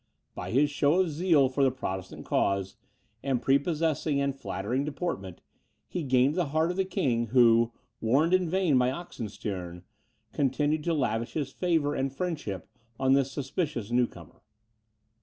By his show of zeal for the Protestant cause, and prepossessing and flattering deportment, he gained the heart of the king, who, warned in vain by Oxenstiern, continued to lavish his favour and friendship on this suspicious new comer.